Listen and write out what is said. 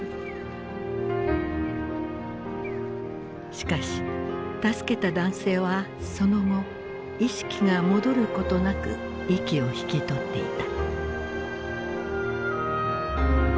しかし助けた男性はその後意識が戻ることなく息を引き取っていた。